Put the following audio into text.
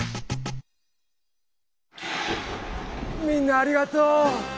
みんなありがとう！